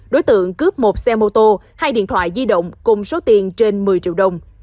đối tượng cướp một xe mô tô hai điện thoại di động cùng số tiền trên một mươi triệu đồng